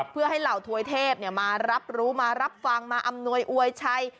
เพื่อให้เหล่าถวยเทพมารับรู้มารับฟังมาอำนวยอวยชัย